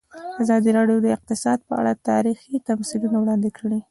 ازادي راډیو د اقتصاد په اړه تاریخي تمثیلونه وړاندې کړي.